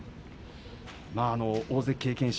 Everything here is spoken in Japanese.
大関経験者